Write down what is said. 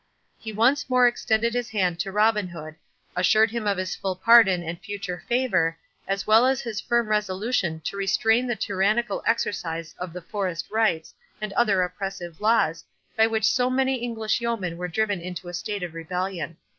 He once more extended his hand to Robin Hood, assured him of his full pardon and future favour, as well as his firm resolution to restrain the tyrannical exercise of the forest rights and other oppressive laws, by which so many English yeomen were driven into a state of rebellion.